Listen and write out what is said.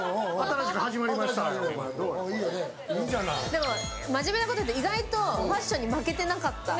でも、真面目なこと言って、意外とファッションに負けてなかった。